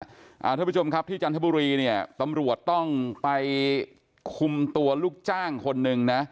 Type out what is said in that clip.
ท่านผู้ชมครับที่จันทบุรีเนี่ยตำรวจต้องไปคุมตัวลูกจ้างคนหนึ่งนะ